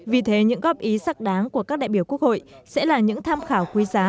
vì thế những góp ý sắc đáng của các đại biểu quốc hội sẽ là những tham khảo quý giá